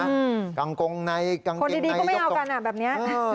กังกงในกางเกงในยกตรงคนดีก็ไม่เอากันอ่ะแบบนี้